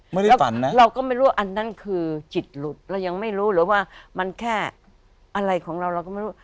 ฝันนะเราก็ไม่รู้ว่าอันนั้นคือจิตหลุดเรายังไม่รู้หรือว่ามันแค่อะไรของเราเราก็ไม่รู้